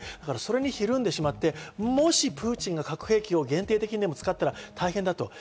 それにひるんでしまって、もしプーチンが核兵器を限定的にでも使ったら大変だと。